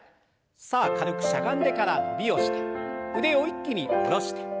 さあ軽くしゃがんでから伸びをして腕を一気に下ろして。